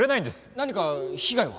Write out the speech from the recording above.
何か被害は？